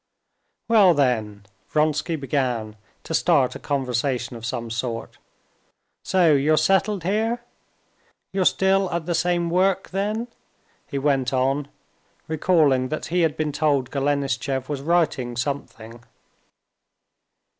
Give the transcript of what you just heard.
"Well then," Vronsky began to start a conversation of some sort; "so you're settled here? You're still at the same work, then?" he went on, recalling that he had been told Golenishtchev was writing something.